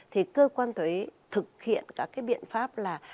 thì cơ quan thuế thực hiện các cái biện pháp là